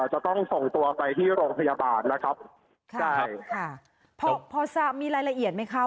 จะต้องส่งตัวไปที่โรงพยาบาลนะครับใช่ค่ะพอพอทราบมีรายละเอียดไหมคะ